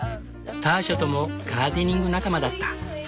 ターシャともガーデニング仲間だった。